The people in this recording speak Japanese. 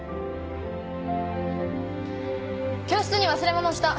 教室に忘れ物した。